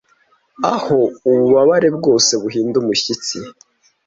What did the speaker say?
aho ububabare bwose buhinda umushyitsi